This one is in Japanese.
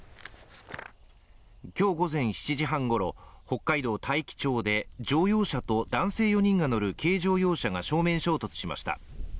今日午前７時半ごろ、北海道大樹町で乗用車と男性４人が乗る軽乗用車が正面衝突しました。